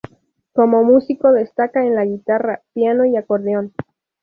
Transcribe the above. Como músico destaca en la guitarra, piano y acordeón.